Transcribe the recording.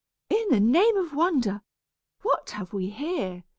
"In the name of wonder, what have we here?"